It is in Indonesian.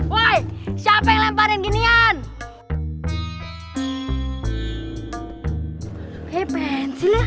wih siapa yang lemparin ginian